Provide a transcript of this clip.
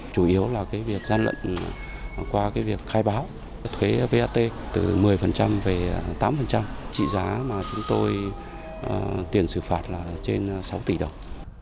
chủ yếu là việc gian lận qua việc khai báo thuế vat từ một mươi về tám trị giá mà chúng tôi tiền xử phạt là trên sáu tỷ đồng